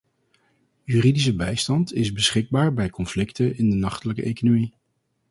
Juridische bijstand is beschikbaar bij conflicten in de nachtelijke economie.